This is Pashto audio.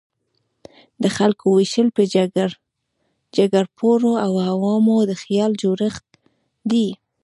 د خلکو ویشل په جګپوړو او عوامو د خیال جوړښت دی.